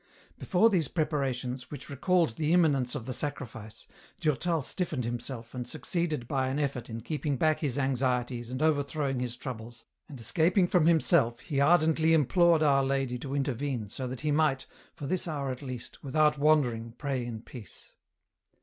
Before these preparations, which recalled the imminence of the Sacrifice, Durtal stiffened himself and succeeded by an effort in keeping back his anxieties and overthrowing his troubles, and escaping from himself he ardently implored P 2IO EN ROUTE. Our Lady to intervene so that he might, for this hour at least, without wandering, pray in peace.